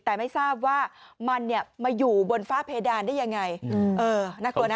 แต่ไม่ทราบว่ามันเนี่ยมาอยู่บนฝ้าเพดานได้ยังไงเออน่ากลัวนะ